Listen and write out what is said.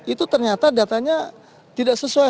itu ternyata datanya tidak sesuai